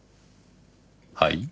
はい？